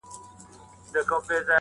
ماته هر افغان له بل سره یو برابر دی